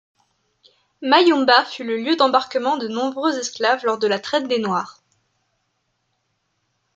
Mayumba fut le lieu d'embarquement de nombreux esclaves lors de la traite des noirs.